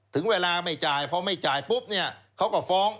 ถึงเวลาไม่จ่ายพอไม่จ่ายปุ๊บเนี่ยเขาก็ฟ้อง